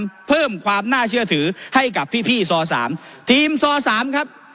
เพิ่มความน่าเชื่อถือให้กับพี่พี่ซอสามทีมซอสามครับ